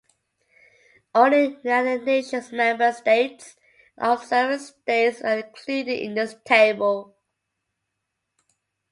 Only United Nations member states and observer states are included in this table.